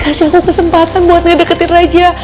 kasih aku kesempatan buat ngedeketin raja